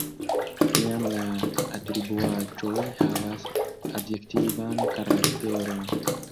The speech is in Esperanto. Tiam la atribuaĵoj havas adjektivan karakteron.